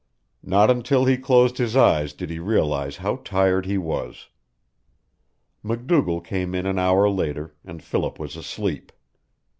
Not until he closed his eyes did he realize how tired he was. MacDougall came in an hour later, and Philip was asleep.